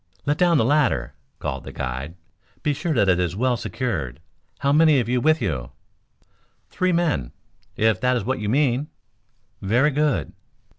"Let down your ladder," called the guide. "Be sure that it is well secured. How many have you with you?" "Three men, if that is what you mean." "Very good."